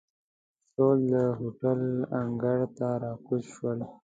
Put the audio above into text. ټول د هوټل انګړ ته را کوز شول.